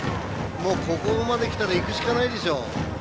ここまできたらいくしかないでしょう。